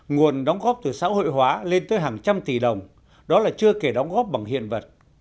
nguồn đóng góp từ xã hội hóa lên tới hàng trăm tỷ đồng đó là chưa kể đóng góp bằng hiện vật